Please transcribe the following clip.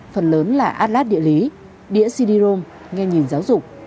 phần lớn là atlas địa lý đĩa cd rom nghe nhìn giáo dục